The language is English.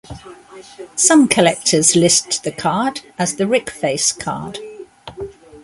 Some collectors list the card as the "Rick Face" card.